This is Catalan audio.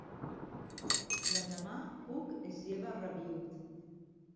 L'endemà Cook es lleva rabiüt.